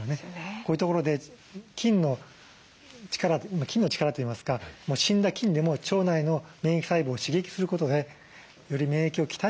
こういうところで菌の力といいますか死んだ菌でも腸内の免疫細胞を刺激することでより免疫を鍛える。